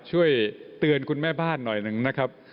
ช่วยเตือนคุณแม่บ้านหน่อยหนึ่งนะครับ